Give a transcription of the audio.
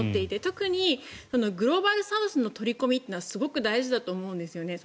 特にグローバルサウスの取り込みはすごく大事だと思うんですね。